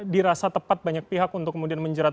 dirasa tepat banyak pihak untuk kemudian menjerat